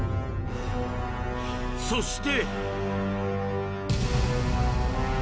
そして。